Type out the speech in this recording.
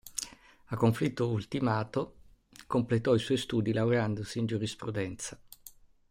A conflitto ultimato completò i suoi studi laureandosi in giurisprudenza.